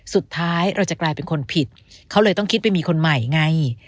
สุดท้ายเราจะกลายเป็นคนผิดเขาเลยต้องคิดไปมีคนใหม่ไง